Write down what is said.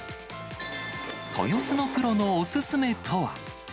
豊洲のプロのお勧めとは。